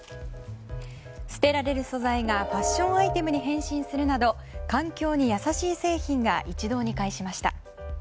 捨てられる素材がファッションアイテムに変身するなど環境に優しい製品が一堂に会しました。